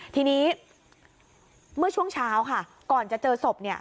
ทีนี้เมื่อช่วงเช้าค่ะก่อนจะเจอศพเนี่ย